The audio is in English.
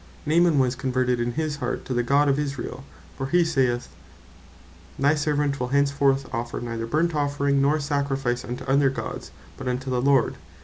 Naaman was converted in his heart to the God of Israel; For hee saith (2 Kings 5.17.) "Thy servant will henceforth offer neither burnt offering, nor sacrifice unto other Gods but unto the Lord.